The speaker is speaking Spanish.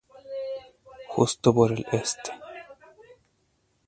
Justo por el este.